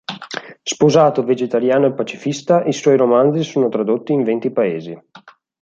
Sposato, vegetariano e pacifista, i suoi romanzi sono tradotti in venti Paesi.